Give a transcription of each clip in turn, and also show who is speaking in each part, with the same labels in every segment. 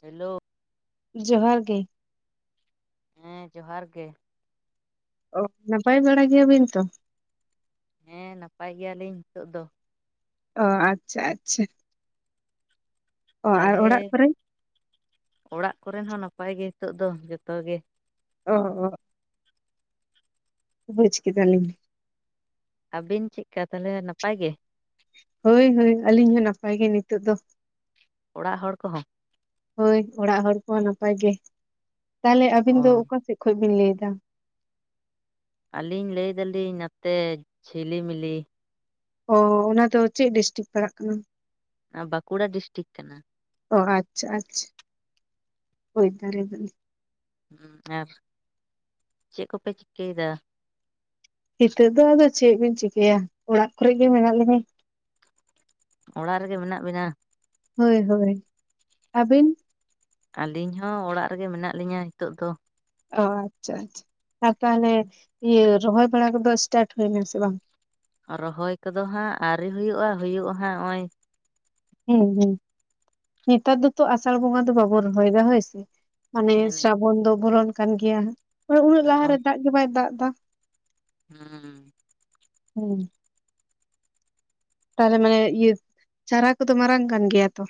Speaker 1: Hello
Speaker 2: ᱡᱚᱦᱟᱨ ᱜᱮ
Speaker 1: ᱦᱮᱸ ᱡᱚᱦᱟᱨ ᱜᱮ
Speaker 2: ᱚ ᱱᱟᱯᱟᱭ ᱵᱟᱲᱟ ᱜᱮᱭᱟᱵᱤᱱ ᱛᱚ
Speaker 1: ᱦᱮᱸ ᱱᱟᱯᱟᱭ ᱜᱮᱭᱟᱞᱤᱧ ᱱᱤᱛᱚᱜ ᱫᱚ
Speaker 2: ᱚ ᱟᱪᱪᱷᱟ ᱟᱪᱪᱷᱟ ᱚ ᱟᱨ
Speaker 1: ᱛᱟᱦᱚᱞᱮ
Speaker 2: ᱚᱲᱟᱜ ᱠᱚᱨᱮ
Speaker 1: ᱚᱲᱟᱜ ᱠᱚᱨᱮᱱ ᱦᱚᱸ ᱱᱟᱯᱟᱭ ᱜᱮ ᱱᱤᱛᱚᱜ ᱫᱚ ᱡᱚᱛᱚ ᱜᱮ
Speaker 2: ᱚᱦ ᱚᱦ ᱵᱩᱪ ᱠᱮᱫᱟ ᱞᱤᱧ
Speaker 1: ᱟᱵᱤᱱ ᱪᱮᱫᱠᱟ ᱛᱟᱦᱞᱮ ᱱᱟᱯᱟᱭ ᱜᱮ?
Speaker 2: ᱦᱳᱭ ᱦᱳᱭ ᱟᱹᱞᱤᱧ ᱦᱚᱸ ᱱᱟᱯᱟᱭ ᱜᱮ ᱱᱤᱛᱚᱜ ᱫᱚ
Speaker 1: ᱚᱲᱟᱜ ᱦᱚᱲ ᱠᱚᱦᱚᱸ?
Speaker 2: ᱦᱳᱭ ᱚᱲᱟᱜ ᱦᱚᱲ ᱠᱚᱦᱚᱸ ᱱᱟᱯᱟᱭ ᱜᱮ, ᱛᱟᱦᱞᱮ ᱟᱹᱵᱤᱱ ᱫᱚ
Speaker 1: ᱚ
Speaker 2: ᱚᱠᱟ ᱥᱮᱫ ᱠᱷᱚᱡ ᱵᱤᱱ ᱞᱟᱹᱭ ᱫᱟ
Speaker 1: ᱟᱹᱞᱤᱧ ᱞᱟᱹᱭ ᱫᱟᱞᱤᱧ ᱱᱟᱛᱮ ᱡᱷᱤᱞᱤᱢᱤᱞᱤ
Speaker 2: ᱚ ᱚᱱᱟ ᱫᱚ ᱪᱮᱫ ᱰᱤᱥᱴᱤᱠ ᱯᱟᱲᱟᱜ ᱠᱟᱱᱟ?
Speaker 1: ᱵᱟᱸᱠᱩᱲᱟ ᱰᱤᱥᱴᱤᱠ ᱠᱟᱱᱟ
Speaker 2: ᱚ ᱟᱪᱪᱷᱟ ᱟᱪᱪᱷᱟ ᱵᱩᱡᱷ ᱫᱟᱨᱮᱭᱟ ᱫᱟᱞᱤᱧ
Speaker 1: ᱦᱩᱸ ᱟᱨ ᱪᱮᱫ ᱠᱚᱯᱮ ᱪᱤᱠᱟᱹᱭᱮᱫᱟ?
Speaker 2: ᱱᱤᱛᱚᱜ ᱫᱚ ᱟᱫᱚ ᱪᱮᱫ ᱵᱤᱱ ᱪᱤᱠᱟᱹᱭᱟ ᱚᱲᱟᱜ ᱠᱚᱨᱮ ᱜᱮ ᱢᱮᱱᱟᱜ ᱞᱮᱧᱟᱸ
Speaker 1: ᱚᱲᱟᱜ ᱨᱮᱜᱮ ᱢᱮᱱᱟᱜ ᱵᱮᱱᱟ
Speaker 2: ᱦᱳᱭ ᱦᱳᱭ ᱟᱹᱵᱤᱱ?
Speaker 1: ᱟᱹᱞᱤᱧ ᱦᱚᱸ ᱚᱲᱟᱜ ᱨᱮᱜᱮ ᱢᱮᱱᱟᱜ ᱞᱤᱧᱟ ᱦᱤᱛᱚᱜ ᱫᱚ
Speaker 2: ᱚ ᱟᱪᱪᱷᱟ ᱟᱪᱪᱷᱟ ᱟᱨ ᱛᱟᱦᱚᱞᱮ ᱤᱭᱟᱹ ᱨᱚᱦᱚᱭ ᱵᱟᱲᱟ ᱠᱚᱫᱚ ᱮᱥᱴᱟᱴ ᱦᱩᱭᱱᱟ ᱥᱮ ᱵᱟᱝ?
Speaker 1: ᱨᱚᱦᱚᱭ ᱠᱚᱫᱚ ᱦᱟᱸᱜ ᱟᱹᱣᱨᱤ ᱦᱩᱭᱩᱜᱼᱟ ᱦᱩᱭᱩᱜᱼᱟ ᱦᱟᱸᱜ ᱦᱚᱜᱼᱚᱭ
Speaker 2: ᱦᱩᱸ ᱦᱩᱸ ᱱᱮᱛᱟᱨ ᱫᱚᱛᱚ ᱟᱥᱟᱲ ᱵᱚᱸᱜᱟ ᱫᱚ ᱵᱟᱵᱚᱱ ᱨᱚᱦᱚᱭ ᱫᱟ ᱦᱳᱭ ᱥᱮ ᱢᱟᱱᱮ
Speaker 1: ᱦᱮᱸ
Speaker 2: ᱥᱨᱟᱵᱚᱱ ᱫᱚ ᱵᱚᱞᱚᱱ ᱠᱟᱱ ᱜᱮᱭᱟ ᱩᱱᱟᱹᱜ
Speaker 1: ᱥᱨᱟᱵᱚᱱ
Speaker 2: ᱞᱟᱦᱟᱨᱮ ᱫᱟᱜ ᱜᱮ ᱵᱟᱭ ᱫᱟᱜᱽ ᱮᱫᱟ
Speaker 1: ᱦᱩᱸ
Speaker 2: ᱦᱩᱸ ᱛᱟᱦᱚᱞᱮ ᱢᱟᱱᱮ ᱤᱭᱟᱹ ᱪᱟᱨᱟ ᱠᱚᱫᱚ ᱢᱟᱨᱟᱝ ᱠᱟᱱ ᱜᱮᱭᱟ ᱛᱚ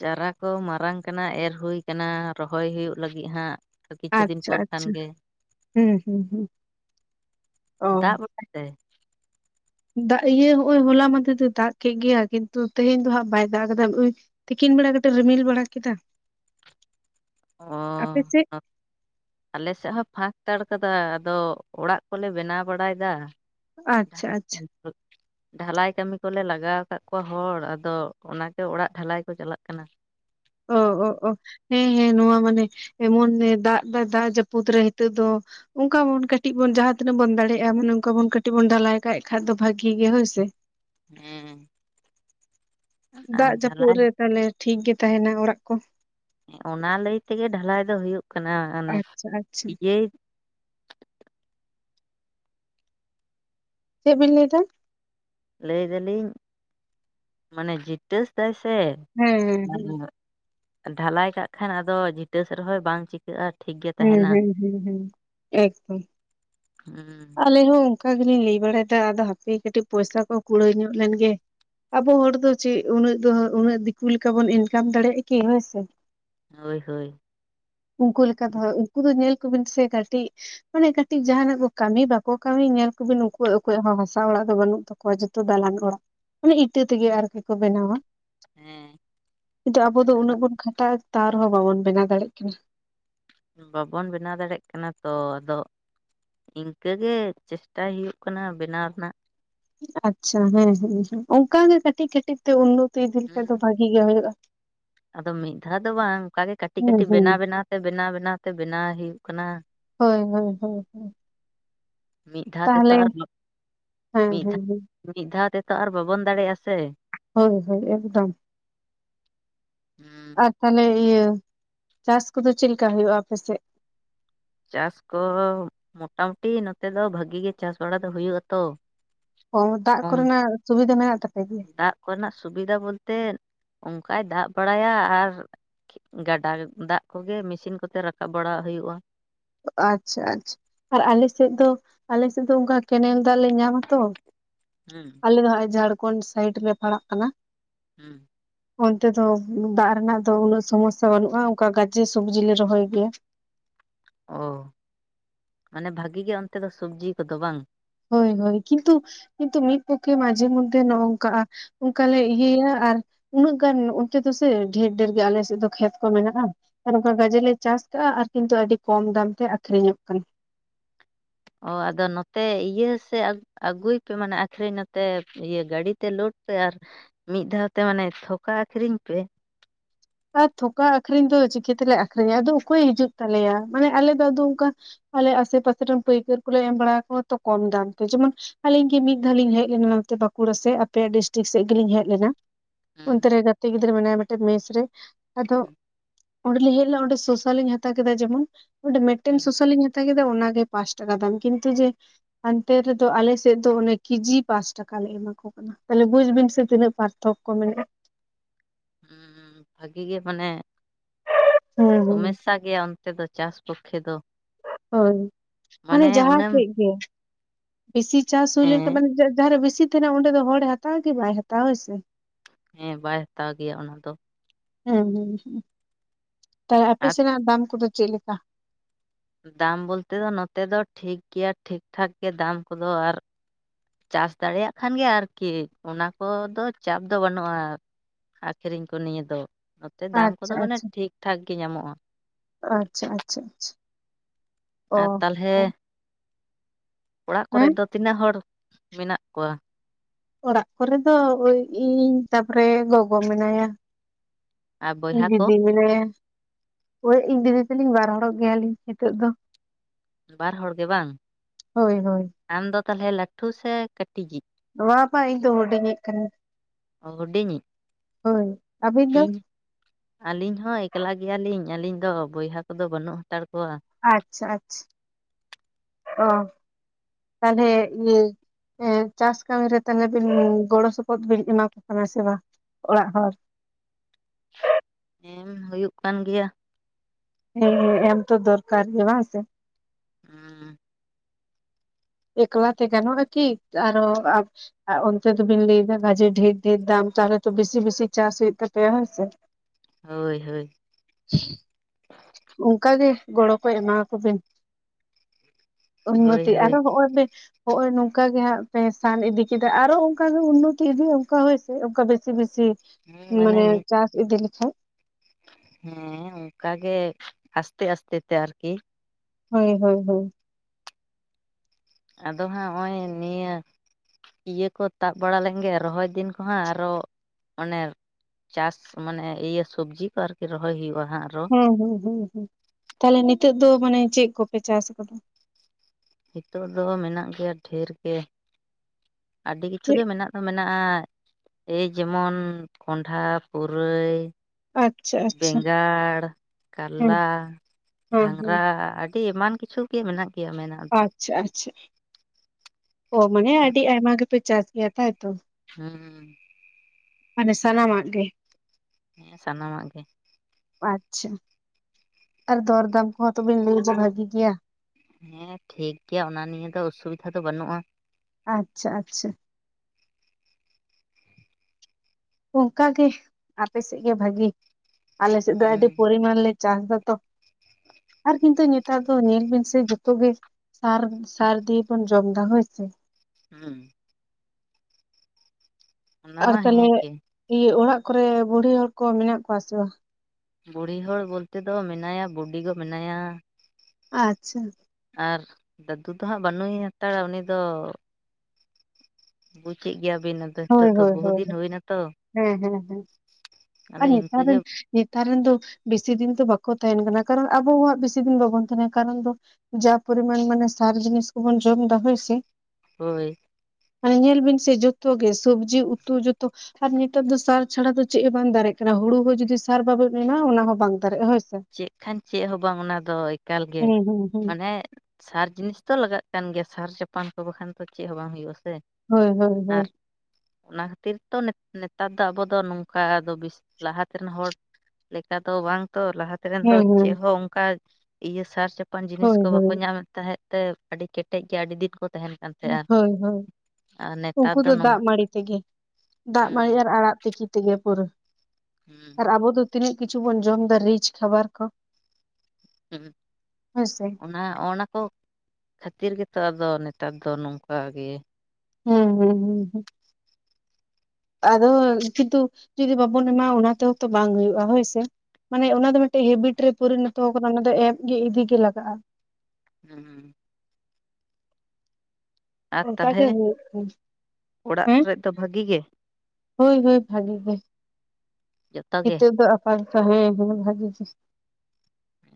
Speaker 1: ᱪᱟᱨᱟ ᱠᱚ ᱢᱟᱨᱟᱝ ᱠᱟᱱᱟ ᱮᱨ ᱦᱩᱭ ᱠᱟᱱᱟ ᱨᱚᱦᱚᱭ ᱦᱩᱭᱩᱜ ᱞᱟᱹᱜᱤᱫ ᱦᱟᱸᱜ ᱠᱤᱪᱷᱩ ᱫᱤᱱ
Speaker 2: ᱟᱪᱪᱷᱟ
Speaker 1: ᱯᱚᱨ ᱠᱷᱟᱱ
Speaker 2: ᱟᱪᱪᱷᱟ
Speaker 1: ᱜᱮ
Speaker 2: ᱦᱩᱸ ᱦᱩᱸ ᱦᱩᱸ ᱚ
Speaker 1: ᱫᱟᱜ ᱵᱟᱲᱟᱭ ᱫᱟᱭ
Speaker 2: ᱫᱟᱜ ᱤᱭᱟᱹ ᱚᱦᱚᱭ ᱦᱚᱞᱟ ᱢᱟᱫᱷᱮᱨ ᱫᱚᱭ ᱫᱟᱜᱽ ᱠᱮᱫ ᱜᱮᱭᱟ ᱠᱤᱱᱛᱩ ᱛᱮᱦᱮᱧ ᱫᱚ ᱦᱟᱸᱜ ᱵᱟᱭ ᱫᱟᱜᱽ ᱠᱟᱫᱟ ᱛᱤᱠᱤᱱ ᱵᱮᱲᱟ ᱜᱮᱛᱚ ᱨᱤᱢᱤᱞ ᱵᱟᱲᱟ ᱠᱮᱫᱟ ᱟᱯᱮ ᱥᱮᱫ
Speaker 1: ᱚ ᱟᱞᱮᱥᱮᱫ ᱦᱚᱸ ᱯᱷᱟᱸᱠ ᱛᱟᱲ ᱠᱟᱫᱟ ᱟᱫᱚ ᱚᱲᱟᱜ ᱠᱚᱞᱮ ᱵᱮᱱᱟᱣ ᱵᱟᱲᱟᱭᱮᱫᱟ
Speaker 2: ᱟᱪᱪᱷᱟ ᱟᱪᱪᱷᱟ
Speaker 1: [unintelligible] ᱰᱷᱟᱞᱟᱭ ᱠᱟᱹᱢᱤ ᱠᱚᱞᱮ ᱞᱟᱜᱟᱣ ᱟᱠᱟᱫ ᱠᱚᱣᱟ ᱦᱚᱲ ᱟᱫᱚ ᱚᱱᱟᱜᱮ ᱚᱲᱟᱜ ᱰᱷᱟᱞᱟᱭ ᱠᱚ ᱪᱟᱞᱟᱜ ᱠᱟᱱᱟ
Speaker 2: ᱳᱻᱳᱻᱳ ᱦᱮᱸ ᱦᱮᱸ ᱱᱚᱣᱟ ᱢᱟᱱᱮ ᱮᱢᱚᱱᱮ ᱫᱟᱜᱽ ᱫᱟ ᱫᱟᱜᱽ ᱡᱟᱹᱯᱩᱫ ᱨᱮ ᱱᱤᱛᱚᱜ ᱫᱚ ᱚᱱᱠᱟ ᱵᱚᱱ ᱠᱟᱹᱴᱤᱡ ᱵᱚᱱ ᱡᱟᱦᱟᱸ ᱛᱤᱱᱟᱹᱜ ᱵᱚᱱ ᱫᱟᱲᱮᱭᱟᱜᱼᱟ ᱢᱟᱱᱮ ᱚᱱᱠᱟ ᱵᱚᱱ ᱠᱟᱹᱴᱤᱡ ᱵᱚᱱ ᱰᱷᱟᱞᱟᱭ ᱠᱟᱜ ᱠᱷᱟᱱ ᱫᱚ ᱵᱷᱟᱜᱤ ᱜᱮ ᱦᱳᱭᱥᱮ
Speaker 1: ᱦᱩᱸ ᱦᱩᱸ
Speaker 2: ᱫᱟᱜ ᱡᱟᱹᱯᱩᱫ ᱨᱮ ᱛᱟᱦᱚᱞᱮ ᱴᱷᱤᱠᱜᱮ ᱛᱟᱦᱮᱱᱟ ᱚᱲᱟᱜ ᱠᱚ
Speaker 1: ᱚᱱᱟ ᱞᱟᱹᱭ ᱛᱮᱜᱮ ᱰᱷᱟᱞᱟᱭ ᱫᱚ ᱦᱩᱭᱩᱜ ᱠᱟᱱᱟ ᱚᱱᱮ
Speaker 2: ᱟᱪᱪᱷᱟ ᱟᱪᱪᱷᱟ
Speaker 1: ᱤᱭᱟᱹ
Speaker 2: ᱪᱮᱫ ᱵᱤᱱ ᱞᱟᱹᱭᱮᱫᱟ
Speaker 1: ᱞᱟᱹᱭ ᱫᱟᱞᱤᱧ ᱢᱟᱱᱮ ᱡᱤᱴᱟᱹᱥᱫᱟᱭ ᱥᱮ
Speaker 2: ᱦᱮᱸ ᱦᱮᱸ
Speaker 1: ᱰᱷᱟᱞᱟᱭ ᱠᱟᱜ ᱠᱷᱟᱱ ᱟᱫᱚ ᱡᱷᱤᱴᱟᱹ ᱥ ᱨᱮᱦᱚᱭ ᱵᱟᱝ ᱪᱤᱠᱟᱹᱜᱼᱟ ᱴᱷᱤᱠᱜᱮ
Speaker 2: ᱦᱩᱸ ᱦᱩᱸ ᱦᱩᱸ ᱦᱩᱸ ᱮᱠᱫᱚᱢ
Speaker 1: ᱦᱩᱸ
Speaker 2: ᱟᱞᱮ ᱦᱚ ᱚᱱᱠᱟ ᱜᱮᱞᱤᱧ ᱞᱟᱹᱭ ᱵᱟᱲᱟᱭᱮᱫᱟ ᱟᱫᱚ ᱦᱟᱯᱮ ᱠᱟᱹᱴᱤᱡ ᱯᱚᱭᱥᱟ ᱠᱚ ᱠᱩᱲᱟᱹᱭ ᱧᱚᱜ ᱞᱮᱱᱜᱮ ᱟᱵᱚ ᱦᱚᱲ ᱫᱚ ᱪᱮᱫ ᱩᱱᱟᱹᱜ ᱫᱚ ᱩᱱᱟᱹᱜ ᱫᱤᱠᱩ ᱞᱮᱠᱟ ᱵᱚᱱ ᱤᱱᱠᱟᱢ ᱫᱟᱲᱮᱭᱟᱜᱼᱟ ᱠᱤ ᱦᱮᱸᱥᱮ
Speaker 1: ᱦᱳᱭ ᱦᱳᱭ
Speaker 2: ᱩᱱᱠᱩ ᱞᱮᱠᱟ ᱫᱚ ᱩᱱᱠᱩ ᱫᱚ ᱧᱮᱞ ᱠᱚᱵᱤᱱ ᱥᱮ ᱠᱟᱹᱴᱤᱡ ᱢᱟᱱᱮ ᱠᱟᱹᱴᱤᱡ ᱡᱟᱦᱟᱱᱟᱜ ᱠᱚ ᱠᱟᱹᱢᱤ ᱵᱟᱠᱚ ᱠᱟᱹᱢᱤ ᱧᱮᱞ ᱠᱚᱵᱤᱱ ᱩᱱᱠᱩ ᱚᱠᱚᱭ ᱦᱚᱸ ᱦᱟᱥᱟ ᱚᱲᱟᱜ ᱫᱚ ᱵᱟᱹᱱᱩᱜ ᱛᱟᱠᱚᱣᱟ ᱡᱚᱛᱚ ᱫᱟᱞᱟᱱ ᱚᱲᱟᱜ ᱢᱟᱱᱮ ᱤᱴᱟᱹ ᱛᱮᱜᱮ ᱟᱨᱠᱤ ᱠᱚ ᱵᱮᱱᱟᱣᱟ
Speaker 1: ᱦᱮᱸ
Speaker 2: ᱠᱤᱱᱛᱩ ᱟᱵᱚ ᱫᱚ ᱩᱱᱟᱹᱜ ᱵᱚᱱ ᱠᱷᱟᱴᱟᱜᱼᱟ ᱛᱟᱣ ᱨᱮᱦᱚᱸ ᱵᱟᱵᱚᱱ ᱵᱮᱱᱟᱣ ᱫᱟᱲᱮᱭᱟᱜ ᱠᱟᱱᱟ
Speaker 1: ᱵᱟᱵᱚᱱ ᱵᱮᱱᱟᱣ ᱫᱟᱲᱮᱭᱟᱜ ᱠᱟᱱᱟ ᱛᱚ ᱟᱫᱚ ᱤᱱᱠᱟᱹ ᱜᱮ ᱪᱮᱥᱴᱟᱭ ᱦᱩᱭᱩᱜ ᱠᱟᱱᱟ ᱵᱮᱱᱟᱣ ᱨᱮᱱᱟᱜ
Speaker 2: ᱟᱪᱪᱷᱟ ᱦᱮᱸ ᱦᱮᱸᱸ ᱚᱱᱠᱟᱜᱮ ᱠᱟᱹᱴᱤᱡ ᱠᱟᱹᱴᱤᱡ ᱛᱮ ᱩᱱᱱᱚᱛᱤ ᱤᱫᱤ ᱞᱮᱠᱷᱟᱡ ᱫᱚ
Speaker 1: ᱦᱩᱸ
Speaker 2: ᱵᱷᱟᱜᱤ ᱜᱮ ᱦᱩᱭᱩᱜᱼᱟ
Speaker 1: ᱟᱫᱚ ᱢᱤᱫ ᱫᱷᱟᱣ ᱫᱚ ᱵᱟᱝ ᱚᱱᱠᱟᱜᱮ ᱠᱟᱹᱴᱤᱡ
Speaker 2: ᱦᱩᱸ
Speaker 1: ᱠᱟᱹᱴᱤᱡ
Speaker 2: ᱦᱩᱸ
Speaker 1: ᱵᱮᱱᱟᱣ ᱵᱮᱱᱟᱣᱛᱮ ᱵᱮᱱᱟᱣ ᱵᱮᱱᱟᱣᱛᱮ ᱵᱮᱱᱟᱣ ᱦᱩᱭᱩᱜ ᱠᱟᱱᱟ
Speaker 2: ᱦᱳᱭ ᱦᱳᱭ ᱦᱳᱭ
Speaker 1: ᱢᱤᱫ ᱫᱷᱟᱣ
Speaker 2: ᱛᱟᱦᱚᱞᱮ
Speaker 1: ᱛᱮᱫᱚ ᱟᱨ
Speaker 2: ᱦᱮᱸ
Speaker 1: ᱢᱤᱫ
Speaker 2: ᱦᱮᱸ
Speaker 1: ᱫᱷᱟᱣ
Speaker 2: ᱦᱮᱸ
Speaker 1: ᱢᱤᱫ ᱫᱷᱟᱣ ᱛᱮᱫᱚ ᱟᱨ ᱵᱟᱵᱚᱱ ᱫᱟᱲᱮᱭᱟᱜᱼᱟ ᱥᱮ
Speaker 2: ᱦᱳᱭ ᱦᱳᱭ ᱮᱠᱫᱚᱢ
Speaker 1: ᱦᱩᱸ
Speaker 2: ᱟᱨ ᱛᱟᱦᱚᱞᱮ ᱤᱭᱟᱹ ᱪᱟᱥ ᱠᱚᱫᱚ ᱪᱮᱫ ᱞᱮᱠᱟ ᱦᱩᱭᱩᱜᱼᱟ ᱟᱯᱮᱥᱮᱫ
Speaker 1: ᱪᱟᱥ ᱠᱚ ᱢᱚᱴᱟ ᱢᱩᱴᱤ ᱱᱚᱛᱮ ᱫᱚ ᱵᱷᱟᱜᱤ ᱜᱮ ᱪᱟᱥ ᱵᱟᱲᱟ ᱫᱚ ᱦᱩᱭᱩᱜ ᱟᱛᱚ
Speaker 2: ᱚ ᱫᱟᱜᱽ
Speaker 1: ᱚᱝ
Speaker 2: ᱠᱚᱨᱮᱱᱟᱜ ᱥᱩᱵᱤᱫᱷᱟ ᱢᱮᱱᱟᱜ ᱛᱟᱯᱮᱜ ᱜᱮᱭᱟ
Speaker 1: ᱫᱟᱜ ᱠᱚᱨᱮᱱᱟᱜ ᱥᱩᱵᱤᱫᱷᱟ ᱵᱚᱞᱛᱮ ᱚᱱᱠᱟᱭ ᱫᱟᱜᱽ ᱵᱟᱲᱟᱭᱟ ᱟᱨ ᱜᱟᱰᱟ ᱫᱟᱜᱽ ᱠᱚᱜᱮ ᱢᱮᱥᱤᱱ ᱠᱚᱛᱮ ᱨᱟᱠᱟᱵ ᱵᱟᱲᱟ ᱦᱩᱭᱩᱜᱼᱟ
Speaker 2: ᱟᱪᱪᱷᱟ ᱟᱪᱪᱷᱟ ᱟᱨ ᱟᱞᱮᱥᱮᱫ ᱫᱚ ᱟᱞᱮᱥᱮᱫ ᱫᱚ ᱚᱱᱠᱟ ᱠᱮᱱᱮᱞ ᱫᱟᱜ ᱞᱮ ᱧᱟᱢᱟ ᱛᱚ
Speaker 1: ᱦᱩᱸ
Speaker 2: ᱟᱞᱮ ᱫᱚ ᱦᱟᱜᱟᱭ ᱡᱷᱟᱲᱠᱷᱚᱸᱰ ᱥᱟᱭᱤᱰ ᱞᱮ ᱯᱟᱲᱟᱜ ᱠᱟᱱᱟ
Speaker 1: ᱦᱩᱸ
Speaker 2: ᱚᱱᱛᱮ ᱫᱚ ᱫᱟᱜ ᱨᱮᱱᱟᱜ ᱫᱚ ᱩᱱᱟᱹᱜ ᱥᱚᱢᱚᱥᱟ ᱵᱟᱹᱱᱩᱜᱼᱟ ᱚᱱᱠᱟ ᱜᱟᱡᱮ ᱥᱚᱵᱡᱤᱞ ᱞᱮ ᱨᱚᱦᱚᱭ ᱜᱮᱭᱟ
Speaker 1: ᱚ ᱢᱟᱱᱮ ᱵᱷᱟᱜᱤ ᱜᱮ ᱚᱱᱛᱮ ᱫᱚ ᱥᱚᱵᱡᱤ ᱠᱚᱫᱚ ᱵᱟᱝ
Speaker 2: ᱦᱳᱭ ᱦᱳᱭ ᱠᱤᱱᱛᱩ ᱠᱤᱱᱛᱩ ᱢᱤᱫ ᱯᱚᱠᱠᱷᱮ ᱢᱟᱡᱷᱮ ᱢᱚᱫᱽᱫᱷᱮ ᱱᱚᱝᱠᱟ ᱟ ᱚᱝᱠᱟ ᱞᱮ ᱤᱭᱟᱹᱭᱟ ᱟᱨ ᱩᱱᱟᱹᱜ ᱜᱟᱱ ᱚᱱᱛᱮ ᱫᱚ ᱥᱮ ᱰᱷᱮᱨ ᱰᱷᱮᱨ ᱜᱮ ᱟᱞᱮ ᱥᱮᱫ ᱫᱚ ᱠᱷᱮᱛ ᱠᱚ ᱢᱮᱱᱟᱜᱼᱟ ᱟᱨ ᱚᱠᱟ ᱜᱟᱡᱮ ᱞᱮ ᱪᱟᱥ ᱠᱟᱜᱼᱟ ᱟᱨ ᱠᱤᱱᱛᱩ ᱟᱹᱰᱤ ᱠᱚᱢ ᱫᱟᱢ ᱛᱮ ᱟᱠᱷᱨᱤᱧᱚᱜ ᱠᱟᱱᱟ
Speaker 1: ᱚ ᱟᱫᱚ ᱱᱚᱛᱮ ᱤᱭᱟᱹ ᱥᱮ ᱟᱹᱜᱩᱭ ᱯᱮ ᱢᱟᱱᱮ ᱟᱹᱷᱨᱤᱧ ᱱᱚᱛᱮ ᱤᱭᱟᱹ ᱜᱟᱹᱰᱤᱛᱮ ᱞᱳᱰ ᱯᱮ ᱟᱨ ᱢᱤᱫ ᱫᱷᱟᱣ ᱛᱮ ᱢᱟᱱᱮ ᱛᱷᱚᱠᱟ ᱟᱠᱷᱨᱤᱧ ᱯᱮ
Speaker 2: ᱟᱨ ᱛᱷᱚᱠᱟ ᱟᱠᱷᱨᱤᱧ ᱫᱚ ᱪᱤᱠᱟᱹ ᱛᱮᱞᱮ ᱟᱠᱷᱨᱤᱧᱟ ᱟᱫᱚ ᱚᱠᱚᱭ ᱦᱤᱡᱩᱜ ᱛᱟᱞᱮᱭᱟ ᱢᱟᱱᱮ ᱟᱞᱮ ᱫᱚ ᱟᱫᱚ ᱚᱝᱠᱟ ᱟᱞᱮ ᱟᱥᱮ ᱯᱟᱥᱮ ᱨᱮᱱ ᱯᱟᱹᱭᱠᱟᱹᱨ ᱠᱚᱞᱮ ᱮᱢ ᱵᱟᱲᱟ ᱟᱠᱣᱟ ᱛᱚ ᱠᱚᱢ ᱫᱟᱢ ᱛᱮ ᱡᱮᱢᱚᱱ ᱟᱞᱤᱧᱜ ᱜᱤ ᱢᱤᱫᱷᱟᱣᱞᱤᱧ ᱦᱮᱡ ᱞᱮᱱᱟ ᱱᱚᱛᱮ ᱵᱟᱸᱠᱩᱲᱟ ᱥᱮᱫ ᱟᱮᱭᱟᱜ ᱰᱤᱥᱴᱤᱠ ᱥᱮᱫ ᱜᱮᱞᱤᱧ ᱦᱮᱡ ᱞᱮᱱᱟ
Speaker 1: ᱦᱩᱸ
Speaker 2: ᱚᱱᱛᱮ ᱨᱮ ᱜᱟᱛᱮ ᱜᱤᱫᱽᱨᱟᱹ ᱢᱟᱱᱮᱭ ᱢᱮᱴᱮ ᱢᱮᱥ ᱨᱮ ᱟᱫᱚ
Speaker 1: ᱦᱩᱸ
Speaker 2: ᱚᱸᱰᱮᱞᱤᱧ ᱦᱮᱡ ᱞᱮᱱᱟ ᱚᱸᱰᱮ ᱥᱚᱥᱟᱞᱤᱧ ᱦᱟᱛᱟᱣ ᱠᱮᱫᱟ ᱡᱮᱢᱚᱱ ᱚᱸᱰᱮ ᱢᱤᱫᱴᱮᱱ ᱥᱚᱥᱟᱞᱤᱧ ᱦᱟᱛᱟᱣ ᱠᱮᱫ ᱦᱟᱛᱟ ᱠᱮᱫᱟ ᱚᱱᱟᱜᱮ ᱯᱟᱸᱪ ᱴᱟᱠᱟ ᱫᱟᱢ ᱠᱤᱱᱛᱩ ᱡᱮ ᱦᱟᱱᱛᱮ ᱨᱮᱫᱚ ᱟᱞᱮᱥᱮᱫ ᱫᱚ ᱚᱱᱮ ᱠᱤᱡᱤ ᱯᱟᱥ ᱴᱟᱠᱟᱞᱮ ᱮᱢᱟ ᱠᱚ ᱠᱟᱱᱟ ᱛᱟᱦᱚᱞᱮ ᱵᱩᱡ ᱵᱤᱱ ᱥᱮ ᱛᱤᱱᱟᱹᱜ ᱯᱟᱨᱛᱷᱚᱠ ᱠᱚ ᱢᱮᱱᱟᱜᱼᱟ
Speaker 1: ᱦᱩᱸ ᱦᱩᱸ ᱵᱷᱟᱜᱤ ᱜᱮ ᱢᱟᱱᱮ
Speaker 2: ᱦᱩᱸ ᱦᱩᱸ
Speaker 1: ᱥᱚᱢᱚᱥ ᱥᱟ ᱜᱮᱭᱟ ᱚᱱᱛᱮ ᱫᱚ ᱪᱟᱥ ᱯᱚᱠᱠᱷᱮ ᱫᱚ
Speaker 2: ᱦᱳᱭ ᱢᱟᱱᱮ ᱡᱟᱦᱟᱸ ᱠᱷᱩᱡ ᱜᱮ ᱵᱮᱥᱤ ᱪᱟᱥ ᱦᱩᱭ ᱞᱮᱱᱠᱷᱟᱱ
Speaker 1: ᱦᱮᱸ
Speaker 2: ᱢᱟᱱᱮ ᱡᱟᱦᱟᱸᱨᱮ ᱵᱮᱥᱤ ᱛᱟᱦᱮᱱᱟ ᱚᱸᱰᱮ ᱫᱚ ᱦᱚᱲᱮ ᱦᱟᱛᱣᱟ ᱜᱮ ᱵᱟᱭ ᱦᱟᱛᱟᱣᱟ ᱦᱳᱭᱥᱮ
Speaker 1: ᱦᱮᱸ ᱵᱟᱭ ᱦᱟᱛᱟᱣ ᱜᱮᱭᱟ ᱚᱱᱟ ᱫᱚ
Speaker 2: ᱦᱩᱸ ᱦᱩᱸ ᱛᱟᱦᱮ ᱟᱯᱮ
Speaker 1: ᱟᱫᱚ
Speaker 2: ᱥᱮᱱᱟᱜ ᱫᱟᱢ ᱠᱚᱫᱚ ᱪᱮᱫ ᱞᱮᱠᱟ
Speaker 1: ᱫᱟᱢ ᱵᱚᱞᱛᱮ ᱫᱚ ᱱᱚᱛᱮ ᱫᱚ ᱴᱷᱤᱠ ᱜᱮᱭᱟ ᱴᱷᱤᱠᱴᱷᱟᱠ ᱜᱮ ᱫᱟᱢ ᱠᱚᱫᱚ ᱟᱨ ᱪᱟᱥ ᱫᱟᱲᱮᱭᱟᱜ ᱠᱷᱟᱱ ᱜᱮ ᱟᱨᱠᱤ ᱚᱱᱟ ᱠᱚᱫᱚ ᱪᱟᱯ ᱫᱚ ᱵᱟᱹᱱᱩᱜᱼᱟ ᱟᱠᱷᱨᱤᱧ ᱠᱚ ᱱᱤᱭᱟᱹ ᱫᱚ ᱱᱚᱛᱮ ᱫᱟᱢ
Speaker 2: ᱟᱪᱪᱷᱟ
Speaker 1: ᱠᱚᱫᱚ ᱢᱟᱱᱮ ᱴᱷᱤᱠ ᱴᱷᱟᱠ ᱜᱮ ᱧᱟᱢᱚᱜᱼᱟ
Speaker 2: ᱟᱪᱪᱷᱟ ᱟᱪᱪᱷᱟ ᱟᱪᱪᱷᱟ ᱚ
Speaker 1: ᱟᱨ ᱛᱟᱞᱦᱮ ᱚᱲᱟᱜ ᱠᱚᱨᱮ
Speaker 2: ᱦᱮᱸ
Speaker 1: ᱫᱚ ᱛᱤᱱᱟᱹᱜ ᱦᱚᱲ ᱢᱮᱱᱟᱜ ᱠᱚᱣᱟ
Speaker 2: ᱚᱲᱟᱜ ᱠᱚᱨᱮ ᱫᱚ ᱤᱧ ᱛᱟᱨᱯᱚᱨᱮ ᱜᱚᱜᱚ ᱢᱮᱱᱟᱭᱟ
Speaker 1: ᱟᱨ
Speaker 2: ᱤᱧ
Speaker 1: ᱵᱚᱭᱦᱟ ᱠᱚ
Speaker 2: ᱫᱤᱫᱤ ᱢᱮᱱᱟᱭᱟ ᱦᱳᱭ ᱤᱧ ᱫᱤᱫᱤ ᱛᱟᱹᱞᱤᱧ ᱵᱟᱨ ᱦᱚᱲᱚᱜ ᱜᱮᱭᱟᱞᱤᱧ ᱱᱤᱛᱚᱜ ᱫᱚ
Speaker 1: ᱵᱟᱨ ᱦᱚᱲ ᱜᱮ ᱵᱟᱝ
Speaker 2: ᱦᱳᱭ ᱦᱳᱭ
Speaker 1: ᱟᱢ ᱫᱚ ᱛᱟᱦᱞᱮ ᱞᱟᱹᱴᱷᱩ ᱥᱮ ᱠᱟᱹᱴᱤᱡ ᱤᱡ
Speaker 2: ᱵᱟ ᱵᱟᱝ ᱤᱧ ᱫᱚ ᱦᱩᱰᱤᱧᱤ ᱠᱟᱹᱱᱤᱧ
Speaker 1: ᱚ ᱦᱩᱰᱤᱧᱤᱡ
Speaker 2: ᱟᱹᱵᱤᱱ ᱫᱚ
Speaker 1: ᱤᱧ ᱟᱹᱞᱤᱧ ᱦᱚᱸ ᱮᱠᱞᱟ ᱜᱮᱭᱟᱞᱤᱧ ᱟᱹᱞᱤᱧ ᱫᱚ ᱵᱚᱭᱦᱟ ᱠᱚᱫᱚ ᱵᱟᱹᱱᱩᱜ ᱦᱟᱛᱟᱲ ᱠᱚᱣᱟ
Speaker 2: ᱟᱪᱪᱷᱟ ᱟᱪᱪᱷᱟ ᱚ ᱛᱟᱦᱞᱮ ᱤᱭᱟᱹ ᱪᱟᱥ ᱠᱟᱹᱢᱤ ᱨᱮ ᱛᱟᱦᱞᱮ ᱵᱤᱱ ᱜᱚᱲᱚ ᱥᱚᱯᱚᱦᱚᱫ ᱵᱤᱱ ᱮᱢᱟ ᱠᱚ ᱠᱟᱱᱟ ᱥᱮ ᱵᱟᱝ ᱚᱲᱟᱜ ᱦᱚᱲ
Speaker 1: ᱦᱮᱸ ᱦᱩᱭᱩᱜ ᱠᱟᱱ ᱜᱮᱭᱟ
Speaker 2: ᱦᱮᱸ ᱮᱢ ᱛᱚ ᱫᱚᱨᱠᱟᱨ ᱜᱮᱣᱟ ᱵᱟ ᱥᱮ
Speaker 1: ᱦᱩᱸ
Speaker 2: ᱮᱠᱞᱟ ᱛᱮ ᱜᱟᱱᱚ ᱟᱠᱤ ᱟᱨᱚ ᱟᱨ ᱚᱱᱛᱮ ᱫᱚ ᱵᱤᱱ ᱞᱟᱹᱭᱮᱫᱟ ᱜᱟᱡᱮ ᱰᱷᱮᱨ ᱰᱷᱮᱨ ᱫᱟᱢ ᱛᱟᱦᱚᱞᱮ ᱛᱚ ᱵᱮᱥᱤ ᱵᱮᱥᱤ ᱪᱟᱥ ᱦᱩᱭᱩᱜ ᱛᱟᱯᱮᱭᱟ ᱵᱟᱝ ᱥᱮ
Speaker 1: ᱦᱳᱭ ᱦᱳᱭ
Speaker 2: ᱚᱝᱠᱟ ᱜᱮ ᱜᱚᱲᱚ ᱠᱚ ᱮᱢᱟᱠᱚᱵᱤᱱ
Speaker 1: ᱦᱳᱭ
Speaker 2: ᱩᱱᱱᱚᱛᱤ
Speaker 1: ᱦᱳᱭ
Speaker 2: ᱟᱨᱚ ᱦᱚᱜᱼᱚᱭ ᱵᱮ ᱦᱚᱜᱼᱚᱭ ᱱᱚᱝᱠᱟ ᱜᱮ ᱦᱟᱜ ᱯᱮ ᱥᱟᱱ ᱤᱫᱤ ᱠᱮᱫᱟ ᱟᱨᱚ ᱚᱱᱠᱟᱜᱮ ᱩᱱᱱᱚᱛᱤ ᱤᱫᱤ ᱚᱱᱠᱟ ᱦᱳᱭ ᱥᱮ ᱵᱮᱥᱤ ᱵᱮᱥᱤ
Speaker 1: ᱦᱩᱸ
Speaker 2: ᱢᱟᱱᱮ ᱪᱟᱥ ᱤᱫᱤ ᱞᱮᱠᱷᱟᱡ
Speaker 1: ᱦᱩᱸ ᱚᱝᱠᱟ ᱜᱮ ᱟᱥᱛᱮ ᱟᱥᱛᱮ ᱛᱮ ᱟᱨᱠᱤ
Speaker 2: ᱦᱳᱭ ᱦᱳᱭ ᱦᱳᱭ
Speaker 1: ᱟᱫᱚ ᱦᱟᱸᱜ ᱚᱭ ᱱᱤᱭᱟᱹ ᱤᱭᱟᱹ ᱠᱚ ᱛᱟᱵ ᱵᱟᱲᱟ ᱞᱮᱱᱜᱮ ᱨᱚᱦᱚᱭ ᱫᱤᱱ ᱠᱚ ᱦᱟᱸᱜ ᱟᱨᱚ ᱚᱱᱮ ᱪᱟᱥ ᱢᱟᱱᱮ ᱤᱭᱟᱹ ᱥᱚᱵᱡᱤ ᱠᱚ ᱟᱨᱠᱤ ᱨᱚᱦᱚᱭ ᱦᱩᱭᱩᱜ-ᱟ ᱦᱟᱸᱜ
Speaker 2: ᱦᱮᱸ ᱦᱮᱸ ᱦᱩᱸ ᱦᱸ ᱛᱟᱦᱞᱮ ᱱᱤᱛᱚᱜ ᱫᱚ ᱢᱟᱱᱮ ᱪᱮᱫ ᱠᱚᱯᱮ ᱪᱟᱥ ᱠᱟᱫᱟ?
Speaker 1: ᱦᱤᱛᱚᱜ ᱫᱚ ᱢᱮᱱᱟᱜ ᱜᱮᱭᱟ ᱰᱷᱮᱨ ᱜᱮ ᱟᱹᱰᱤ ᱠᱤᱪᱷᱩ
Speaker 2: ᱪᱮᱫ
Speaker 1: ᱜᱮ ᱢᱮᱱᱟᱜ ᱫᱚ ᱢᱮᱱᱟᱜ-ᱟ ᱮᱭ ᱡᱮᱢᱚᱱ ᱠᱚᱱᱰᱷᱟ ᱯᱩᱨᱟᱹᱭ
Speaker 2: ᱟᱪ
Speaker 1: ᱵᱮᱸᱜᱟᱲ ᱠᱟᱞᱞᱟ
Speaker 2: ᱦᱮᱸ ᱦᱮᱸ
Speaker 1: ᱜᱷᱟᱸᱝᱨᱟ
Speaker 2: ᱦᱮᱸ
Speaker 1: ᱟᱹᱰᱤ ᱮᱢᱟᱱ ᱠᱤᱪᱷᱩ ᱜᱮ ᱢᱮᱱᱟᱜ ᱜᱮᱭᱟ ᱢᱮᱱᱟ
Speaker 2: ᱟᱪᱪᱷᱟ ᱟᱪᱪᱷᱟ ᱚ ᱢᱟᱱᱮ ᱟᱹᱰᱤ ᱟᱭᱢᱟ ᱜᱮᱯᱮ ᱪᱟᱥ ᱜᱮᱭᱟ ᱛᱟᱭᱛᱚ?
Speaker 1: ᱦᱩᱸ ᱦᱩᱸ
Speaker 2: ᱢᱟᱱᱮ ᱥᱟᱱᱟᱢᱟᱜ ᱜᱮ
Speaker 1: ᱦᱮᱸ ᱥᱟᱱᱟᱢᱟᱜ ᱜᱮ
Speaker 2: ᱟᱪᱪᱷᱟ ᱟᱨ ᱫᱚᱨᱫᱟᱢ ᱠᱚᱦᱚᱸ ᱛᱚᱵᱤᱱ ᱞᱟᱹᱭ ᱡᱮ ᱵᱷᱟᱜᱮ ᱜᱮᱭᱟ
Speaker 1: ᱦᱮᱸ ᱴᱷᱤᱠ ᱜᱮᱭᱟ ᱚᱱᱟ ᱱᱤᱭᱮ ᱫᱚ ᱚᱥᱩᱵᱤᱫᱷᱟ ᱫᱚ ᱵᱟᱹᱱᱩᱜ-ᱟ
Speaker 2: ᱟᱪᱪᱷᱟ ᱟᱪᱪᱷᱟ ᱚᱝᱠᱟ ᱜᱮ ᱟᱯᱮ ᱥᱮᱫ ᱜᱮ ᱵᱷᱟᱜᱮ ᱟᱞᱮ ᱥᱮᱫ ᱫᱚ ᱟᱹᱰᱤ
Speaker 1: ᱦᱩᱸ
Speaker 2: ᱯᱚᱨᱤᱢᱟᱱ ᱞᱮ ᱪᱟᱥ ᱫᱟᱛᱚ ᱟᱨ ᱠᱤᱱᱛᱩ ᱧᱮᱛᱟᱨ ᱫᱚ ᱧᱮᱞ ᱵᱤᱱ ᱥᱮ ᱡᱚᱛᱚ ᱜᱮ ᱥᱟᱨ ᱥᱟᱨ ᱫᱤᱭᱮ ᱵᱚᱱ ᱡᱚᱢ ᱫᱟ ᱦᱭ ᱥᱮ
Speaker 1: ᱦᱩᱸ ᱚᱱᱟ
Speaker 2: ᱟᱨ
Speaker 1: ᱢᱟ ᱦᱮᱸ
Speaker 2: ᱛᱟᱞᱦᱮ
Speaker 1: ᱜᱮ
Speaker 2: ᱤᱭᱟᱹ ᱚᱲᱟᱜ ᱠᱚᱨᱮ ᱵᱩᱲᱦᱤ ᱦᱚᱲ ᱠᱚ ᱢᱮᱱᱟᱜ ᱠᱚᱣᱟ ᱥᱮ ᱵᱟᱝ?
Speaker 1: ᱵᱩᱲᱦᱤ ᱦᱚᱲ ᱵᱚᱞᱛᱮ ᱫᱚ ᱢᱮᱱᱟᱭᱟ ᱵᱩᱰᱤᱜᱚ ᱢᱮᱱᱟᱭᱟ
Speaker 2: ᱟᱪᱪᱷᱟ
Speaker 1: ᱟᱨ ᱫᱟᱹᱫᱩ ᱫᱚ ᱦᱟᱸᱜ ᱵᱟᱹᱱᱩᱭ ᱦᱟᱛᱟᱲᱟ ᱩᱱᱤ ᱫᱚ ᱵᱩᱡᱮᱜ ᱜᱮᱭᱟᱵᱤᱱ ᱱᱤᱛᱚᱜ
Speaker 2: ᱦᱳᱭ
Speaker 1: ᱫᱚ
Speaker 2: ᱦᱳᱭ
Speaker 1: ᱵᱚᱦᱩ
Speaker 2: ᱦᱳᱭ
Speaker 1: ᱫᱤᱱ
Speaker 2: ᱦᱳᱭ
Speaker 1: ᱦᱩᱭᱱᱟ ᱛᱚ
Speaker 2: ᱦᱮᱸ ᱦᱮᱸ
Speaker 1: ᱟᱫᱚ ᱤᱱᱠᱟᱹ ᱜᱮ
Speaker 2: ᱦᱮᱸ ᱱᱮᱛᱟᱨ ᱨᱮᱱ ᱫᱚ ᱵᱤᱥᱤ ᱫᱤᱱ ᱫᱩ ᱵᱟᱠᱚ ᱛᱟᱦᱮᱱ ᱠᱟᱱᱟ ᱠᱟᱨᱚᱱ ᱟᱵᱚ ᱦᱚᱸ ᱦᱟᱜ ᱵᱮᱥᱤ ᱫᱤᱱ ᱵᱟᱵᱚᱱ ᱛᱟᱦᱮᱱᱟ ᱠᱟᱨᱚᱱ ᱫᱚ ᱡᱟ ᱯᱚᱨᱤᱢᱟᱱ ᱢᱟᱱᱮ ᱥᱟᱨ ᱡᱤᱱᱤᱥ ᱠᱚᱵᱚᱱ ᱡᱚᱢ ᱫᱟ ᱦᱮᱸ ᱥᱮ
Speaker 1: ᱦᱳᱭ
Speaker 2: ᱢᱟᱱᱮ ᱧᱮᱞ ᱵᱤᱱ ᱥᱮ ᱡᱚᱛᱚ ᱜᱮ ᱥᱚᱵᱡᱤ ᱩᱛᱩ ᱡᱚᱛᱚ ᱟᱨ ᱱᱮᱛᱟᱨ ᱫᱚ ᱥᱟᱨ ᱪᱷᱟ ᱫᱚ ᱪᱮᱫ ᱦᱚᱸ ᱵᱟᱝ ᱫᱟᱨᱮᱜ ᱠᱟᱱᱟ ᱦᱩᱲᱩ ᱦᱚᱸ ᱡᱩᱫᱤ ᱥᱟᱨ ᱵᱟᱵᱮᱱ ᱮᱢ-ᱟ ᱚᱱᱟ ᱦᱚᱸ ᱵᱟᱝ ᱫᱟᱨᱮᱜ-ᱟ ᱦᱳᱭ ᱥᱮ
Speaker 1: ᱪᱮᱜ ᱠᱷᱟᱱ ᱪᱮᱜ ᱦᱚᱸ ᱵᱟᱝ ᱚᱱᱟᱫᱚ ᱮᱠᱟᱞᱜᱮ
Speaker 2: ᱦᱩᱸ ᱦᱩᱸ ᱦᱩᱸ
Speaker 1: ᱢᱟᱱᱮ ᱥᱟᱨ ᱡᱤᱱᱤᱥ ᱛᱚ ᱞᱟᱜᱟᱜ ᱠᱟᱱ ᱜᱮᱭᱟ ᱥᱟᱨ ᱪᱟᱯᱟᱱ ᱠᱚ ᱵᱟᱠᱷᱟᱱ ᱫᱚ ᱪᱮᱫ ᱦᱚᱸ ᱵᱟᱝ ᱦᱩᱭᱩᱜ-ᱟ ᱥᱮ
Speaker 2: ᱦᱳᱭ ᱦᱳᱭ
Speaker 1: ᱟᱨ
Speaker 2: ᱦᱳᱭ
Speaker 1: ᱚᱱᱟ ᱠᱷᱟᱹᱛᱤᱨ ᱛᱚ ᱱᱮᱛᱟᱨ ᱫᱚ ᱟᱵᱚ ᱫᱚ ᱱᱚᱝᱠᱟ ᱫᱚ ᱵᱤᱥ ᱞᱟᱦᱟᱛᱮᱱ ᱦᱚᱲ ᱞᱮᱠᱟ ᱫᱚ ᱵᱟᱝ ᱛᱚ ᱞᱟᱦᱟ ᱨᱮᱱ ᱫᱚ
Speaker 2: ᱦᱮᱸ
Speaker 1: ᱪᱮᱫ
Speaker 2: ᱦᱮᱸ
Speaker 1: ᱦᱚᱸ ᱚᱝᱠᱟ ᱤᱭᱟᱹ ᱥᱟᱨ ᱪᱟᱯᱟᱱ ᱡᱤᱱᱤᱥ
Speaker 2: ᱦᱳᱭ
Speaker 1: ᱠᱚ
Speaker 2: ᱦᱳᱭ
Speaker 1: ᱵᱟᱠᱚ ᱧᱟᱢᱮᱫ ᱛᱟᱦᱮᱫ ᱛᱮ ᱟᱹᱰᱤ ᱠᱮᱴᱮᱡ ᱜᱮᱭᱟ ᱟᱹᱰᱤ ᱫᱤᱱ ᱠᱚ ᱛᱟᱦᱮᱱ ᱠᱟᱱ ᱛᱟᱦᱮᱸᱜᱼᱟ
Speaker 2: ᱦᱳᱭ ᱦᱳᱭ
Speaker 1: ᱟᱨ ᱱᱮᱛᱟᱨ
Speaker 2: ᱩᱝᱠᱩ ᱫᱚ
Speaker 1: ᱱᱚᱝ
Speaker 2: ᱫᱟᱜ ᱢᱟᱹᱲᱤ ᱛᱮᱜᱮ ᱫᱟᱜ ᱢᱟᱹᱲᱤ
Speaker 1: ᱦᱩᱸ
Speaker 2: ᱟᱨ ᱟᱲᱟᱜ ᱛᱤᱠᱤ ᱛᱮᱜᱮ ᱯᱩᱨᱟᱹ ᱟᱨ
Speaker 1: ᱦᱩᱸ
Speaker 2: ᱟᱵᱚ ᱫᱚ ᱛᱤᱱᱟᱹᱜ ᱠᱤᱪᱷᱩ ᱵᱚᱱ ᱡᱚᱢ ᱫᱟ ᱨᱤᱪ ᱠᱷᱟᱵᱟᱨ ᱠᱚ
Speaker 1: ᱦᱩᱜᱩ
Speaker 2: ᱦᱳᱭ ᱥᱮ
Speaker 1: [inaudible] ᱦᱮᱸ ᱚᱱᱟᱠᱚ ᱠᱷᱟᱹᱛᱤᱨ ᱜᱮᱛᱚ ᱟᱫᱚ ᱱᱮᱛᱟᱨ ᱫᱚ ᱱᱚᱝᱠᱟ [unintelligible]
Speaker 2: ᱦᱩᱸ ᱦᱩᱸ ᱦᱩᱸ ᱦᱩᱸ ᱟᱫᱚ ᱠᱤᱱᱛᱩ ᱡᱩᱫᱤ ᱵᱟᱵᱚᱱ ᱮᱢᱟ ᱚᱱᱟ ᱛᱮᱦᱚᱸ ᱛᱚ ᱵᱟᱝ ᱦᱩᱭᱩᱜ-ᱟ ᱦᱳᱭᱥᱮ ᱢᱟᱱᱮ ᱚᱱᱟ ᱫᱚ ᱢᱤᱫᱴᱮᱡ ᱦᱮᱵᱤᱴ ᱨᱮ ᱯᱚᱨᱤᱱᱚᱛᱚ ᱠᱟᱱᱟ ᱚᱱᱟ ᱫᱚ ᱮᱢ ᱜᱮ ᱤᱫᱤ ᱜᱮ ᱞᱟᱜᱟᱜ-ᱟ
Speaker 1: ᱦᱩᱸ ᱦᱩᱸ ᱟᱨ
Speaker 2: ᱚᱱᱠᱟ
Speaker 1: ᱛᱟᱞᱦᱮ
Speaker 2: ᱜᱮ ᱦᱩᱭᱩᱜ ᱠᱟᱱᱟ
Speaker 1: ᱚᱲᱟᱜ
Speaker 2: ᱦᱮᱸ
Speaker 1: ᱠᱚᱨᱮ ᱫᱚ ᱵᱷᱟᱹᱜᱤ ᱜᱮ
Speaker 2: ᱦᱳᱭ ᱦᱳᱭ ᱵᱷᱟᱜᱤ ᱜᱮ
Speaker 1: ᱡᱚᱛᱚ ᱜᱮ
Speaker 2: ᱱᱤᱛᱚᱜ ᱫᱚ ᱟᱯᱟᱛᱚᱛᱚ ᱦᱮᱸ ᱦᱮᱸ ᱵᱷᱟᱜᱤ ᱜᱮ [unintelligible]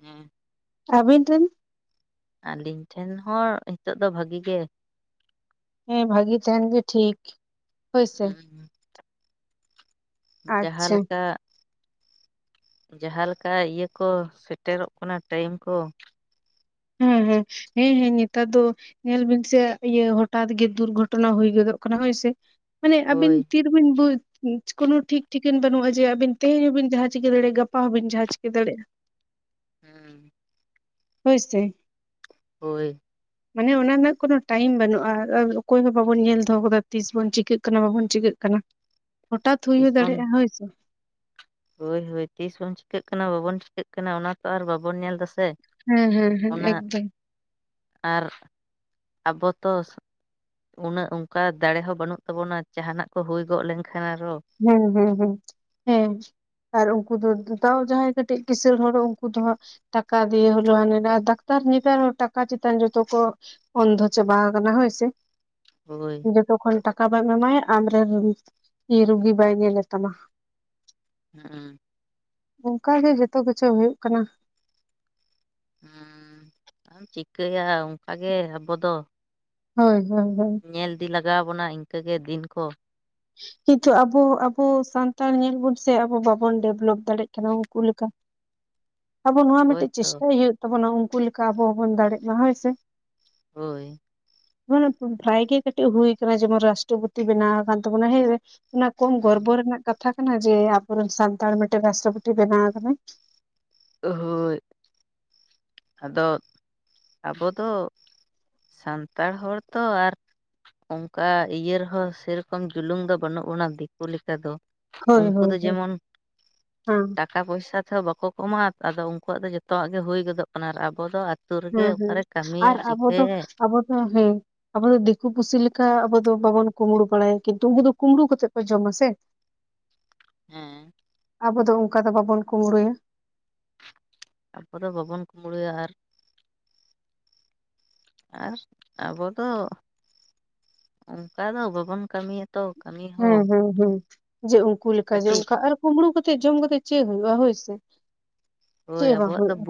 Speaker 1: ᱦᱮᱸ
Speaker 2: ᱟᱹᱵᱤᱱ ᱴᱷᱮᱱ ᱾
Speaker 1: ᱟᱹᱞᱤᱧ ᱴᱷᱮᱱ ᱦᱚᱸ ᱱᱤᱛᱚᱜ ᱫᱚ ᱵᱷᱟᱹᱜᱤ ᱜᱮ
Speaker 2: ᱦᱮᱸ ᱵᱷᱟᱹᱜᱤ ᱛᱟᱦᱮᱱ ᱜᱮ ᱴᱷᱤᱠ ᱾
Speaker 1: ᱦᱮᱸ ᱡᱟᱦᱟᱸ
Speaker 2: ᱟᱪᱪᱷᱟ
Speaker 1: ᱞᱮᱠᱟ ᱡᱟᱦᱟᱸ ᱞᱮᱠᱟ ᱤᱭᱟᱹ ᱠᱚ ᱥᱮᱴᱮᱨᱚᱜ ᱠᱟᱱᱟ ᱴᱟᱭᱤᱢ ᱠᱚ ᱾
Speaker 2: ᱦᱩᱸ ᱦᱩᱸ ᱦᱮᱸ ᱦᱮᱸ ᱱᱮᱛᱟᱨ ᱫᱚ ᱧᱮᱞ ᱵᱤᱱ ᱥᱮ ᱤᱭᱟᱹ ᱦᱚᱴᱟᱴ ᱜᱮ ᱫᱩᱨᱜᱷᱚᱴᱚᱱᱟ ᱦᱩᱭ ᱜᱚᱫᱚᱜ ᱠᱟᱱᱟ ᱦᱳᱭ ᱥᱮ ᱢᱟᱱᱮ ᱟᱹᱵᱤᱱ
Speaker 1: ᱦᱳᱭ
Speaker 2: ᱛᱤ ᱵᱤᱱ ᱵᱩᱡ ᱠᱳᱱᱳ ᱴᱷᱤᱠ ᱴᱷᱤᱠᱟᱹᱱ ᱵᱟᱹᱱᱩᱜᱼᱟ ᱡᱮ ᱟᱹᱵᱤᱱ ᱛᱮᱦᱤᱧ ᱦᱚᱸ ᱵᱤᱱ ᱡᱟᱦᱟᱸ ᱪᱤᱠᱟᱹ ᱫᱟᱲᱮᱭᱟᱜᱼᱟ ᱜᱟᱯᱟ ᱦᱚᱸ ᱵᱤᱱ ᱡᱟᱦᱟᱸ ᱪᱤᱠᱟᱹ ᱫᱟᱲᱮᱭᱟᱜᱼᱟ ᱾
Speaker 1: ᱦᱮᱸ
Speaker 2: ᱦᱳᱭ ᱥᱮ
Speaker 1: ᱦᱳᱭ ᱾
Speaker 2: ᱢᱟᱱᱮ ᱚᱱᱟ ᱨᱮᱱᱟᱜ ᱠᱳᱱᱳ ᱴᱟᱭᱤᱢ ᱵᱟᱹᱱᱩᱜᱼᱟ ᱟᱨ ᱚᱠᱚᱭ ᱦᱚᱸ ᱵᱟᱵᱚᱱ ᱧᱮᱞ ᱫᱚᱦᱚ ᱠᱟᱫᱟ ᱛᱤᱥ ᱵᱚᱱ ᱪᱤᱠᱟᱹᱜ ᱠᱟᱱᱟ ᱵᱟᱵᱚᱱ ᱪᱤᱠᱟᱹᱜ ᱠᱟᱱᱟ ᱾ ᱦᱚᱴᱟᱛ ᱦᱩᱭ
Speaker 1: ᱛᱤᱥ
Speaker 2: ᱦᱚᱸ
Speaker 1: ᱵᱚᱱ
Speaker 2: ᱫᱟᱲᱮᱭᱟᱜᱼᱟ ᱦᱳᱭ ᱥᱮ
Speaker 1: ᱦᱳᱭ ᱦᱳᱭ ᱛᱤᱥ ᱵᱚᱱ ᱪᱤᱠᱟᱹᱜ ᱠᱟᱱᱟ ᱵᱟᱵᱚᱱ ᱪᱤᱠᱟᱹᱜ ᱠᱟᱱᱟ ᱚᱱᱟ ᱛᱚ ᱟᱨ ᱵᱟᱵᱚᱱ ᱧᱮᱞ ᱫᱟᱥᱮ
Speaker 2: ᱦᱮᱸ ᱦᱮᱸ ᱦᱮᱸ
Speaker 1: ᱚᱱᱟ
Speaker 2: ᱮᱠᱫᱚᱢ
Speaker 1: ᱟᱨ ᱟᱵᱚ ᱛᱚᱥ ᱩᱱᱟᱹᱜ ᱚᱱᱠᱟ ᱫᱟᱲᱮ ᱦᱚᱸ ᱵᱟᱹᱱᱩᱜ ᱛᱟᱵᱚᱱᱟ ᱡᱟᱦᱱᱟᱜ ᱠᱚ ᱦᱩᱭ ᱜᱚᱫ ᱞᱮᱱᱠᱷᱟᱱ ᱟᱨᱚ ᱾
Speaker 2: ᱦᱮᱸ ᱦᱩᱸ ᱦᱩᱸ ᱦᱮᱸ ᱟᱨ ᱩᱱᱠᱩ ᱫᱚ ᱛᱟᱣ ᱡᱟᱦᱟᱸᱭ ᱠᱟᱹᱴᱤᱡ ᱠᱤᱥᱟᱹᱲ ᱦᱚᱲ ᱩᱱᱠᱩ ᱫᱚ ᱦᱟᱸᱜ ᱴᱟᱠᱟ ᱫᱤᱭᱮ [unintelligible] ᱰᱟᱠᱛᱟᱨ ᱱᱮᱛᱟᱨ ᱴᱟᱠᱟ ᱪᱮᱛᱟᱱ ᱡᱚᱛᱚ ᱠᱚ [unintelligible] ᱚᱱᱫᱷᱚ ᱪᱟᱵᱟ ᱠᱟᱱᱟ ᱦᱳᱭ ᱥᱮ
Speaker 1: ᱦᱳᱭ ᱾
Speaker 2: ᱡᱚᱛᱚᱠᱷᱚᱱ ᱴᱟᱠᱟ ᱵᱟᱢ ᱮᱢᱟᱭᱟ ᱟᱢ ᱨᱮᱱ ᱨᱳᱜᱤ ᱾ ᱤ ᱨᱩᱜᱤ ᱵᱟᱭ ᱧᱮᱞᱮ ᱛᱟᱢᱟ ᱾
Speaker 1: ᱦᱮᱸ
Speaker 2: ᱚᱱᱠᱟ ᱜᱮ ᱡᱷᱚᱛᱚ ᱠᱤᱪᱷᱩ ᱦᱩᱭᱩᱜ ᱠᱟᱱᱟ ᱾
Speaker 1: ᱦᱩᱸ ᱟᱢ ᱪᱤᱠᱟᱹᱭᱟ ᱚᱱᱠᱟ ᱜᱮ ᱟᱵᱚ ᱫᱚ
Speaker 2: ᱦᱳᱭ ᱦᱳᱭ ᱦᱳᱭ ᱾
Speaker 1: ᱧᱮᱞ ᱤᱫᱤ ᱞᱟᱜᱟᱣ ᱟᱵᱚᱱᱟ ᱤᱱᱠᱟᱹ ᱜᱮ ᱫᱤᱱ ᱠᱚ
Speaker 2: ᱠᱤᱱᱛᱩ ᱟᱵᱚ ᱟᱵᱚ ᱥᱟᱱᱛᱟᱲ ᱧᱮᱞ ᱵᱚᱱ ᱥᱮ ᱟᱵᱚ ᱵᱟᱵᱚᱱ ᱰᱮᱵᱷᱞᱚᱯ ᱫᱟᱲᱮᱭᱟᱜ ᱠᱟᱱᱟ ᱩᱱᱠᱩ ᱞᱮᱠᱟ ᱾ ᱟᱵᱚ ᱱᱚᱣᱟ
Speaker 1: ᱦᱳᱭ
Speaker 2: ᱢᱤᱫᱴᱮᱱ
Speaker 1: ᱛᱚ
Speaker 2: ᱪᱮᱥᱴᱟᱭ ᱦᱩᱭᱩᱜ ᱛᱟᱵᱚᱱᱟ ᱩᱱᱠᱩ ᱞᱮᱠᱟ ᱟᱵᱚ ᱦᱚᱸᱵᱚᱱ ᱫᱟᱲᱮᱜ ᱢᱟ ᱦᱮᱭ ᱥᱮ
Speaker 1: ᱦᱳᱭ ᱾
Speaker 2: ᱯᱨᱟᱭ ᱜᱮ ᱠᱟᱹᱴᱤᱡ ᱦᱩᱭ ᱠᱟᱱᱟ ᱡᱮᱢᱚᱱ ᱨᱟᱥᱴᱨᱚᱯᱚᱛᱤ ᱵᱮᱱᱟᱣ ᱟᱠᱟᱱ ᱛᱟᱵᱚᱱᱟ ᱦᱮᱸ ᱚᱱᱟ ᱠᱚᱢ ᱜᱚᱨᱵᱚ ᱨᱮᱱᱟᱜ ᱠᱟᱛᱷᱟ ᱠᱟᱱᱟ ᱡᱮ ᱟᱵᱚᱨᱮᱱ ᱥᱟᱱᱛᱟᱲ ᱢᱤᱫᱴᱮᱱ ᱨᱟᱥᱴᱨᱚᱯᱚᱛᱤ ᱵᱮᱱᱟᱣ ᱟᱠᱟᱱᱟ ᱾
Speaker 1: ᱦᱳᱭ ᱾ ᱟᱫᱚ ᱟᱵᱚ ᱫᱚ ᱥᱟᱱᱛᱟᱲ ᱦᱚᱲ ᱛᱚ ᱟᱨ ᱚᱱᱠᱟ ᱤᱭᱟᱹ ᱨᱮᱦᱚᱸ ᱥᱮᱨᱚᱠᱚᱢ ᱡᱩᱞᱩᱝ ᱫᱚ ᱵᱟᱹᱱᱩᱜ ᱵᱚᱱᱟ ᱫᱤᱠᱩ ᱞᱮᱠᱟ ᱫᱚ
Speaker 2: ᱦᱳᱭ
Speaker 1: ᱩᱱᱠᱩ
Speaker 2: ᱦᱳᱭ
Speaker 1: ᱫᱚ
Speaker 2: ᱦᱳᱭ
Speaker 1: ᱡᱮᱢᱚᱱ
Speaker 2: ᱦᱮᱸ
Speaker 1: ᱴᱟ ᱴᱟᱠᱟ ᱯᱚᱭᱥᱟ ᱛᱮᱦᱚᱸ ᱵᱟᱠᱚ ᱠᱚᱢᱟ ᱟᱫᱚ ᱩᱱᱠᱩᱣᱟᱜ ᱫᱚ ᱡᱚᱛᱚᱣᱟᱜ ᱜᱮ ᱦᱩᱭ ᱜᱚᱫᱚᱜ ᱠᱟᱱᱟ ᱟᱨ ᱟᱵᱚ ᱫᱚ ᱟᱛᱳ ᱨᱮᱜᱮ
Speaker 2: ᱦᱮᱸ ᱦᱮᱸ
Speaker 1: ᱚᱠᱟᱨᱮ ᱠᱟᱹᱢᱤᱭᱟᱭ
Speaker 2: ᱟᱨ ᱟᱵᱚ ᱫᱚ
Speaker 1: ᱪᱤᱠᱟᱹᱭᱟᱭ ᱾
Speaker 2: ᱟᱵᱚ ᱫᱚ ᱦᱮᱸ ᱟᱵᱚ ᱫᱚ ᱫᱤᱠᱩ ᱯᱩᱥᱤ ᱞᱮᱠᱟ ᱟᱵᱚ ᱫᱚ ᱵᱟᱵᱚᱱ ᱠᱩᱢᱵᱽᱲᱩ ᱵᱟᱲᱟᱭᱟ ᱠᱤᱱᱛᱩ ᱩᱱᱠᱩ ᱫᱚ ᱠᱩᱢᱵᱽᱲᱩ ᱠᱟᱛᱮᱫ ᱠᱚ ᱡᱚᱢᱟ ᱥᱮ
Speaker 1: ᱦᱮᱸ
Speaker 2: ᱟᱵᱚ ᱫᱚ ᱚᱱᱠᱟ ᱫᱚ ᱵᱟᱵᱚᱱ ᱠᱩᱢᱵᱽᱲᱩᱭᱟ ᱾
Speaker 1: ᱟᱵᱚᱫ ᱫᱚ ᱵᱟᱵᱚᱱ ᱠᱩᱢᱵᱽᱲᱩᱭᱟ ᱟᱨ ᱾ ᱟᱨ ᱟᱵᱚ ᱫᱚ ᱚᱱᱠᱟ ᱫᱚ ᱵᱟᱵᱚᱱ ᱠᱟᱹᱢᱤᱭᱟ
Speaker 2: ᱦᱩᱸ ᱦᱩᱸ ᱦᱩᱸ ᱡᱮ ᱩᱱᱠᱩ ᱞᱮᱠᱟ ᱡᱮ
Speaker 1: ᱠᱟᱹᱴᱤᱡ
Speaker 2: ᱚᱱᱠᱟ ᱟᱨ ᱠᱩᱢᱵᱽᱲᱩ ᱠᱟᱛᱮᱫ ᱡᱚᱢ ᱠᱟᱛᱮ ᱪᱮᱫ ᱦᱩᱭᱩᱜᱼᱟ ᱦᱳᱭ ᱥᱮ
Speaker 1: ᱦᱳᱭ ᱟᱵᱚᱣᱟᱜ ᱫᱚ